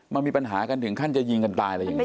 มันมีปัญหากันถึงขั้นจะยิงกันตายอะไรอย่างนี้